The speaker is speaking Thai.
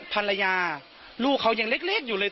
ภรรยาลูกเขายังเล็กอยู่เลย